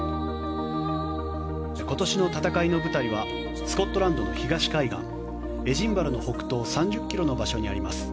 今年の戦いの舞台はスコットランドの東海岸エディンバラの北東３０ｋｍの場所にあります